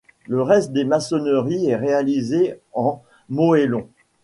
Le reste des maçonneries est réalisé en moellons.